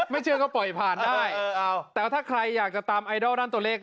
เชื่อก็ปล่อยผ่านได้แต่ว่าถ้าใครอยากจะตามไอดอลด้านตัวเลข